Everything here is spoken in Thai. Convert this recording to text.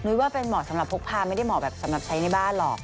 ว่าเป็นเหมาะสำหรับพกพาไม่ได้เหมาะแบบสำหรับใช้ในบ้านหรอก